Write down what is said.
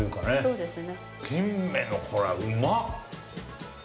そうですね